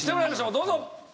どうぞ。